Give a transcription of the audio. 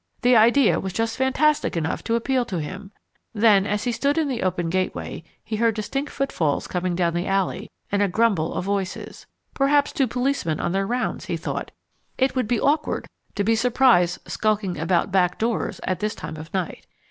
The idea was just fantastic enough to appeal to him. Then, as he stood in the open gateway, he heard distant footfalls coming down the alley, and a grumble of voices. Perhaps two policemen on their rounds, he thought: it would be awkward to be surprised skulking about back doors at this time of night.